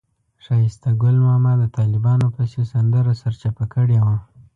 ښایسته ګل ماما د طالبانو پسې سندره سرچپه کړې وه.